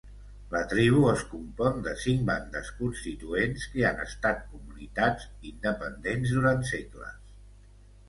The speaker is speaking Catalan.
La tribu es compon de cinc bandes constituents, que han estat comunitats independents durant segles.